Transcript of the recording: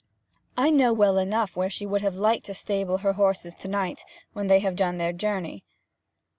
'I know well enough where she would have liked to stable her horses to night, when they have done their journey.'